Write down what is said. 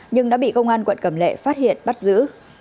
nhưng đã bị công an quận cầm lệ phát hiện bắt giữ